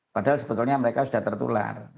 padahal sebetulnya mereka sudah tertular